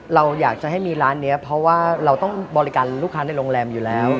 เราอยากจะให้มีร้านนี้เพราะว่าเราต้องบริการลูกค้าในโรงแรมอยู่แล้ว